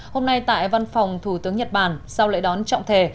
hôm nay tại văn phòng thủ tướng nhật bản sau lễ đón trọng thể